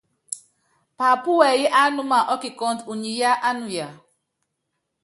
Paapú wɛyí ánúma ɔ́kikɔ́ndɔ, unyi yá ánuya.